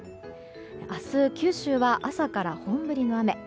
明日、九州は朝から本降りの雨。